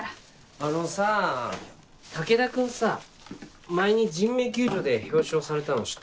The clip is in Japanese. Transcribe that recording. あのさ武田君さ前に人命救助で表彰されたの知ってる？